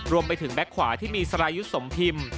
รวมไปถึงแบ็คขวาที่มีสไลยุสสมพิมพ์